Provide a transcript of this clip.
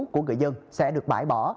của người dân sẽ được bãi bỏ